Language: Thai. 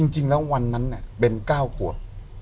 จริงแล้ววันนั้นเบน๙ขวบ